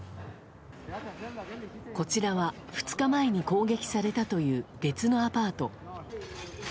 こちらは２日前に攻撃されたという別のアパート。